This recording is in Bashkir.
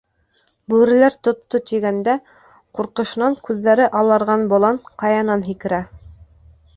Бүреләр тотто, тигәндә, ҡурҡышынан күҙҙәре аларған болан... ҡаянан һикерә.